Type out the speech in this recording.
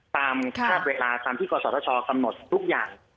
ตามทราบเวลาตามที่กรสอบทศคำหนดทุกอย่าง